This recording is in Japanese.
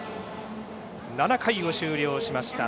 ７回を終了しました。